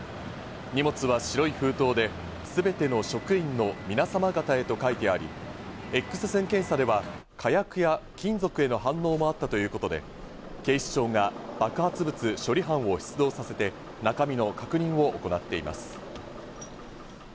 荷物は白い封筒で、すべての職員のみなさま方へと書いてあり、Ｘ線検査では火薬や金属への反応もあったということで、警視庁が爆発物処理班を出動させて、中身の確認を行っています。